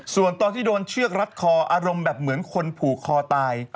ส่วนตอนที่โดนเชือกรัดคออารมณ์แบบเหมือนคนผูกคอตาย